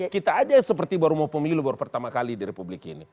kita aja seperti baru mau pemilu baru pertama kali di republik ini